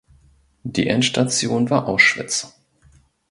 Die Endstation war Auschwitz.